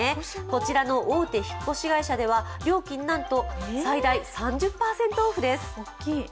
こちらの大手引っ越し会社では料金なんと最大３０％オフです。